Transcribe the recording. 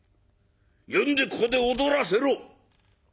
呼んでここで踊らせろ。